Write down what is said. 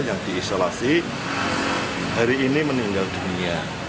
yang di isolasi hari ini meninggal dunia